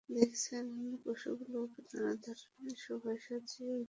দেখছেন, পশুগুলোকে নানা ধরনের শোভায় সাজিয়ে বিত্তবান লোকেরা টেনে টেনে নিয়ে যাচ্ছে।